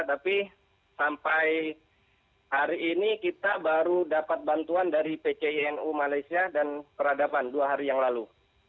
tapi sampai hari ini kita baru dapat bantuan dari pcinu malaysia dan peradaban dua hari yang lalu